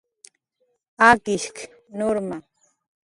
"Akishk"" nurma "